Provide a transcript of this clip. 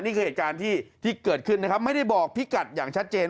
นี่คือเหตุการณ์ที่เกิดขึ้นนะครับไม่ได้บอกพี่กัดอย่างชัดเจน